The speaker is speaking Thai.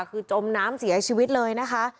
คือจมน้ำเสียชีวิตเลยนะคะ